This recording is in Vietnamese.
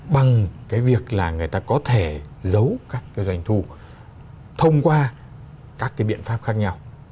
bằng cái việc là người ta có thể giấu các cái doanh thu thông qua các cái biện pháp khác nhau